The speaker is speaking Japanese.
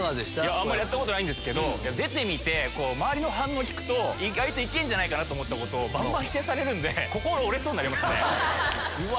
あんまりやったことないけど出てみて周りの反応聞くと意外と行ける！と思ったことをばんばん否定されるんで心折れそうになりますねうわ